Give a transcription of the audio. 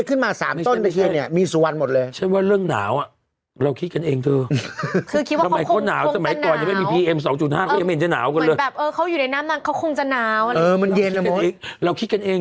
เขาชื่ออะไรแล้วตอนนี้เขาหน่าวมากเขาหน่าวมากจริงจริง